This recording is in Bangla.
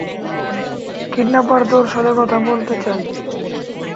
কিডন্যাপার তোর সাথে কথা বলতে চায়।